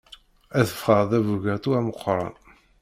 Ad ffɣeɣ d abugaṭu ameqqran.